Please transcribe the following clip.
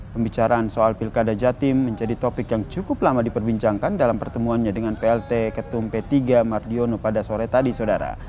pembicaraan soal pilkada jatim menjadi topik yang cukup lama diperbincangkan dalam pertemuannya dengan plt ketum p tiga mardiono pada sore tadi saudara